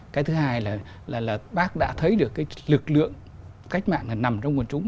cái thứ hai là bác đã thấy được cái lực lượng cách mạng là nằm trong quần chúng